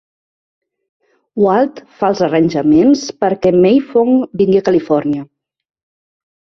Walt fa els arranjaments perquè May Fong vingui a Califòrnia.